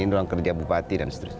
ini ruang kerja bupati dan seterusnya